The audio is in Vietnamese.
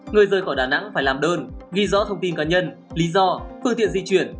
người rời khỏi đà nẵng phải làm đơn ghi rõ thông tin cá nhân lý do phương tiện di chuyển